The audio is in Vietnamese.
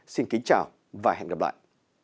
xin kính chào và hẹn gặp lại